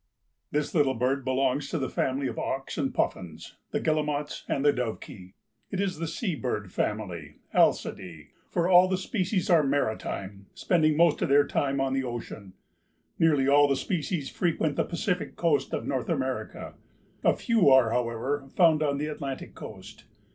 _) This little bird belongs to the family of auks and puffins, the guillemots and the dovekie. It is the sea bird family (Alcidae) for all the species are maritime, spending most of their time on the ocean. Nearly all the species frequent the Pacific coast of North America. A few are, however, found on the Atlantic coast.